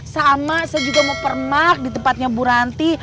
sama saya juga mau permak di tempatnya bu ranti